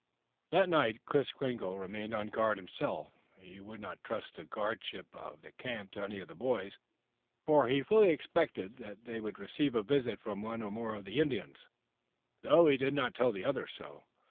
That night, Kris Kringle remained on guard himself. He would not trust the guardianship of the camp to any of the boys, for he fully expected that they would receive a visit from one or more of the Indians, though he did not tell the others so.